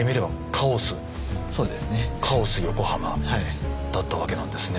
カオス横浜だったわけなんですね。